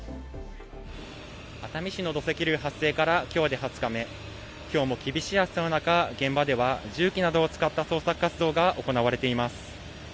熱海市の土石流発生から今日で２０日目、今日も厳しい暑さの中、現場では重機などを使った捜索活動が行われています。